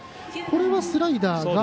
これはスライダーが。